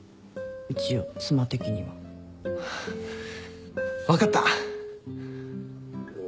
一応妻的には。分かった。